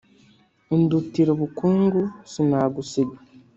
Undutira ubukungu sinagusiga"